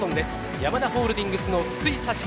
ヤマダホールディングスの筒井咲帆。